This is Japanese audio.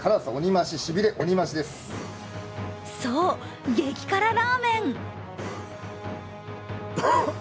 そう、激辛ラーメン。